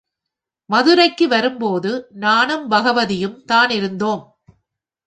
மதுரைக்கு வரும்போது நானும் பகவதியும் தானிருந்தோம்.